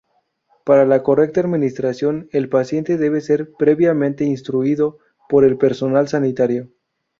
Para la correcta administración el paciente debe ser previamente instruido por el personal sanitario.